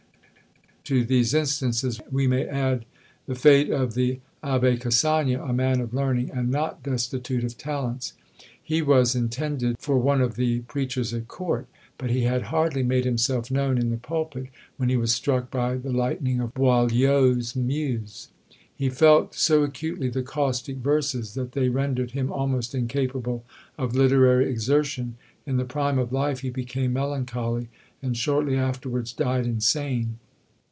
To these instances we may add the fate of the Abbé Cassagne, a man of learning, and not destitute of talents. He was intended for one of the preachers at court; but he had hardly made himself known in the pulpit, when he was struck by the lightning of Boileau's muse. He felt so acutely the caustic verses, that they rendered him almost incapable of literary exertion; in the prime of life he became melancholy, and shortly afterwards died insane.